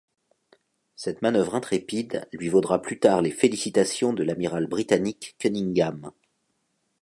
Cette manœuvre intrépide lui vaudra plus tard les félicitations de l'amiral britannique Cunningham.